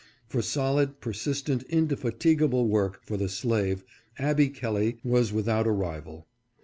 For solid, persistent, indefatigable work for the slave Abby Kelley was without a rival.